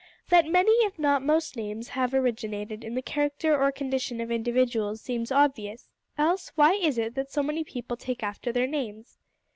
That many if not most names have originated in the character or condition of individuals seems obvious, else why is it that so many people take after their names?